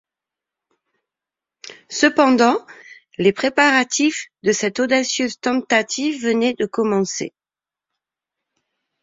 Cependant, les préparatifs de cette audacieuse tentative venaient de commencer.